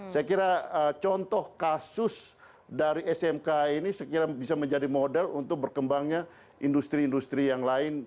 saya kira contoh kasus dari smk ini sekiranya bisa menjadi model untuk berkembangnya industri industri yang lain